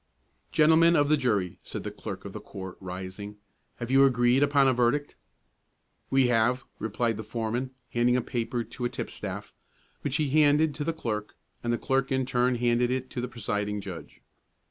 "Gentlemen of the jury," said the clerk of the court, rising, "have you agreed upon a verdict?" "We have," replied the foreman, handing a paper to a tipstaff, which he handed to the clerk; and the clerk in turn handed it to the presiding judge.